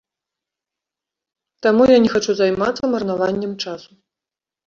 Таму я не хачу займацца марнаваннем часу.